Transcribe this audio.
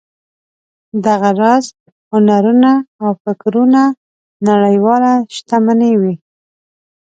دغه راز هنرونه او فکرونه نړیواله شتمني وي.